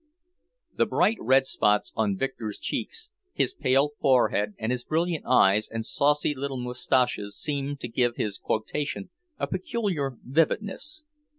The bright red spots on Victor's cheeks, his pale forehead and brilliant eyes and saucy little moustaches seemed to give his quotation a peculiar vividness.